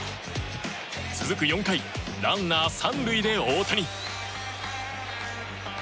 続く４回、ランナー３塁で大谷。